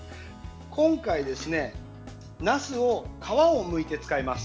今回、なすを皮をむいて使います。